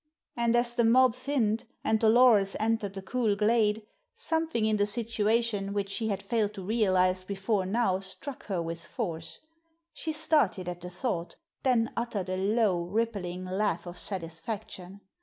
And as the mob thinned, and Dolores entered the cool glade, something in the situation which she had failed to realize before now struck her with force; she started at the thought, then uttered a low, rippling laugh of satisfaction.